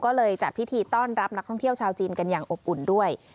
ก็เลยจัดพิธีต้อนรับนักท่องเที่ยวชาวจีนกันอย่างอบอุ่นด้วย